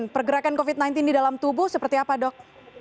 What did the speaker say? pergerakan covid sembilan belas di dalam tubuh seperti apa dok